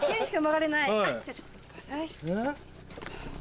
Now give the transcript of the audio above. じゃちょっと待ってください。